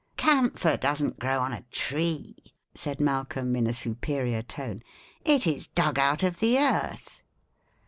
"Camphor doesn't grow on a tree," said Malcolm, in a superior tone; "it is dug out of the earth."